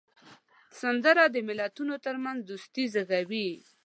سندره د ملتونو ترمنځ دوستي زیږوي